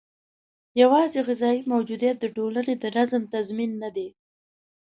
یوازې غذايي موجودیت د ټولنې د نظم تضمین نه دی.